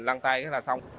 lăn tay đó là xong